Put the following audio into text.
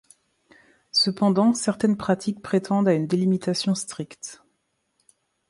Cependant certaines pratiques prétendent à une délimitation stricte.